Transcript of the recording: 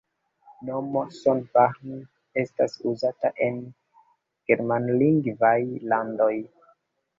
Nomo S-Bahn estas uzata en germanlingvaj landoj.